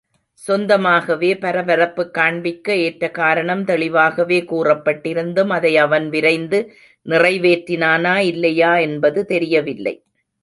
சொந்தமாகவே பரபரப்புக் காண்பிக்க ஏற்ற காரணம் தெளிவாகவே கூறப்பட்டிருந்தும் அதை அவன் விரைந்து நிறைவேற்றினானா இல்லையா என்பது தெரியவில்லை.